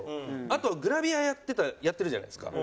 あとグラビアやってるじゃないですか。